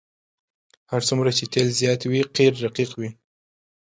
هر څومره چې تیل زیات وي قیر رقیق وي